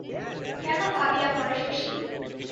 কেন ভাবিয়া মরে শশী?